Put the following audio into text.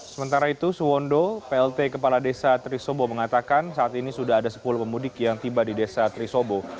sementara itu suwondo plt kepala desa trisobo mengatakan saat ini sudah ada sepuluh pemudik yang tiba di desa trisobo